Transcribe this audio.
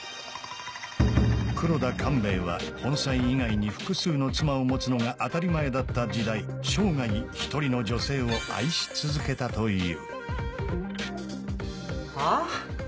黒田官兵衛は本妻以外に複数の妻を持つのが当たり前だった時代生涯一人の女性を愛し続けたというはぁ？